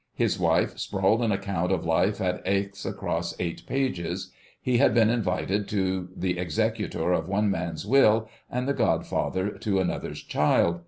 His wife sprawled an account of life at Aix across eight pages. He had been invited to be the executor of one man's will and godfather to another's child.